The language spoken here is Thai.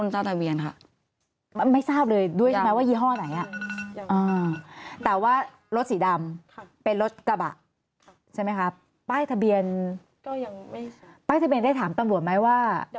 ใช่ไหมครับป้ายทะเบียนป้ายทะเบียนได้ถามตำรวจไหมว่า